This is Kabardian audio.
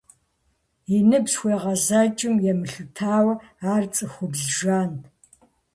И ныбжь хуегъэзэкӀым емылъытауэ ар цӏыхубз жант.